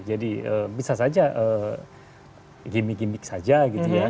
jadi bisa saja gimmick gimmick saja gitu ya